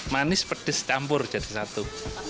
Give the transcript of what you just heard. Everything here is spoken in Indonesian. manis pedes campur jadi satu